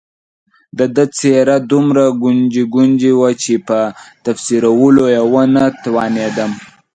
د ده څېره دومره ګونجي ګونجي وه چې په تفسیرولو یې ونه توانېدم.